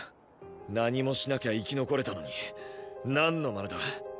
何もしなきゃ生き残れたのになんのまねだ？